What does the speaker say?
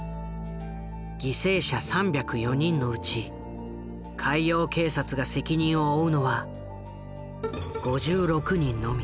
犠牲者３０４人のうち海洋警察が責任を負うのは５６人のみ。